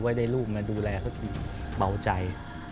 ไว้ได้ลูกมาดูแลสักทีเบาใจ